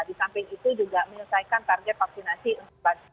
di samping itu juga menyelesaikan target vaksinasi untuk lansia